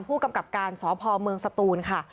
ผู้กำกับการสพเมืองสตูนค่ะ